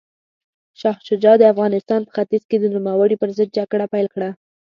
شاه شجاع د افغانستان په ختیځ کې د نوموړي پر ضد جګړه پیل کړه.